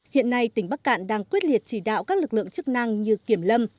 hiện nay tỉnh bắc cạn đang quyết liệt chỉ đạo các lực lượng chức năng như kiểm lâm